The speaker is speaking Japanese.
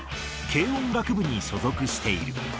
軽音楽部に所属している。